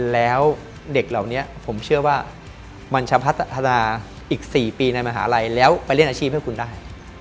แล้วเด็กเหล่านี้ผมเชื่อว่ามันจะพัฒนาอีก๔ปีในมหาลัยแล้วไปเล่นอาชีพให้คุณได้